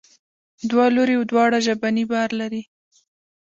دوه لوري دواړه ژبنی بار لري.